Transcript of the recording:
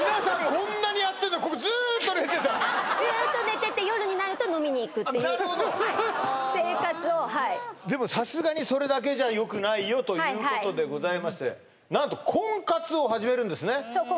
こんなにやってんのにここずっと寝てたずっと寝ててっていう生活をはいあっなるほどさすがにそれだけじゃよくないよということでございまして何と婚活を始めるんですね